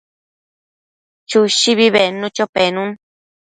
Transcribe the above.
Chushi bednucho penun